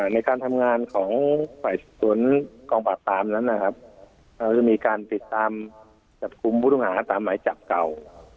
ในการทำงานของฝ่ายสวนกองปราบปรามนั้นนะครับเราจะมีการติดตามจับกลุ่มผู้ต้องหาตามหมายจับเก่า